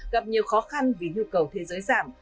gặp nhiều khó khăn vì nhu cầu thế giới giảm